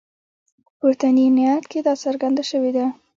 په پورتني نعت کې دا څرګنده شوې ده.